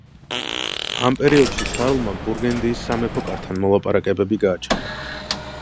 ამ პერიოდში შარლმა ბურგუნდიის სამეფო კართან მოლაპარაკებები გააჩაღა.